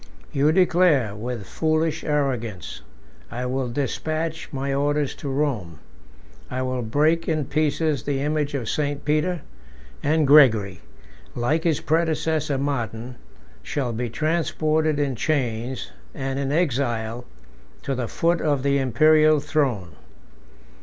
You declare, with foolish arrogance, I will despatch my orders to Rome: I will break in pieces the image of St. Peter; and Gregory, like his predecessor Martin, shall be transported in chains, and in exile, to the foot of the Imperial throne.